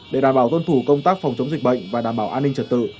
để đảm bảo tuân thủ công tác phòng chống dịch bệnh và đảm bảo an ninh trật tự